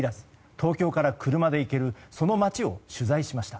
東京から車で行けるその町を取材しました。